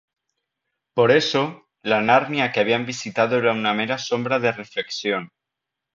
Por eso, la Narnia que habían visitado era una mera sombra de reflexión.